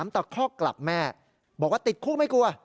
ตะคอกกลับแม่บอกว่าติดคู่ไม่กลัว